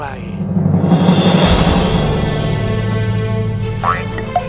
lebih dalam lagi